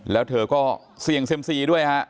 แล้วเธอก็เสี่ยงเซ็มซีด้วยฮะ